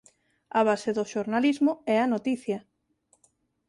A base do xornalismo é a noticia.